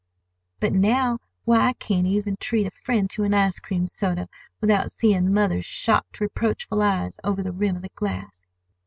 But now, why now I can't even treat a friend to an ice cream soda without seeing mother's shocked, reproachful eyes over the rim of the glass!"